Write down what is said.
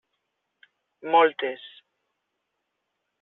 Moltes.